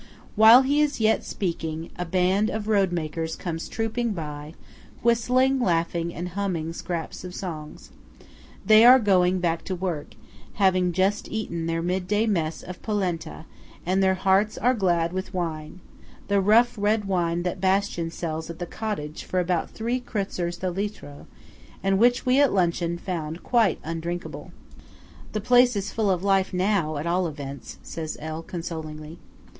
While he is yet speaking, a band of road makers comes trooping by, whistling, and laughing, and humming scraps of songs. They are going back to work, having just eaten their mid day mess of polenta; and their hearts are glad with wine–the rough red wine that Bastian sells at the cottage for about three kreutzers the litro, and which we at luncheon found quite undrinkable. "The place is full of life now, at all events," says L., consolingly.